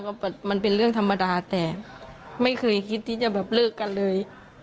ก็มันเป็นเรื่องธรรมดาแต่ไม่เคยคิดที่จะแบบเลิกกันเลย